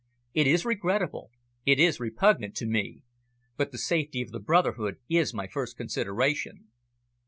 It is regrettable, it is repugnant to me. But the safety of the brotherhood is my first consideration."